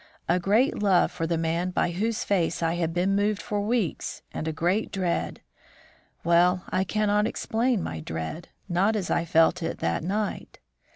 A great love for the man by whose face I had been moved for weeks and a great dread well, I cannot explain my dread, not as I felt it that night.